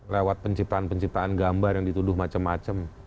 lewat penciptaan penciptaan gambar yang dituduh macam macam